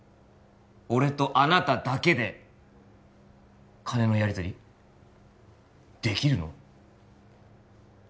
俺とあなただけで金のやり取りできるの？